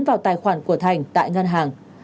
vào tài khoản của thành tại ngân hàng